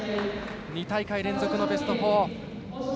２大会連続のベスト４。